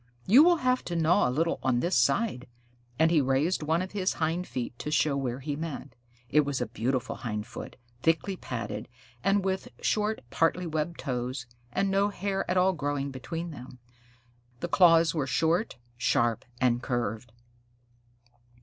You will have to gnaw a little on this side." And he raised one of his hind feet to show where he meant. It was a beautiful hindfoot, thickly padded, and with short partly webbed toes, and no hair at all growing between them. The claws were short, sharp, and curved.